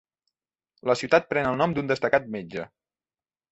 La ciutat pren el nom d'un destacat metge.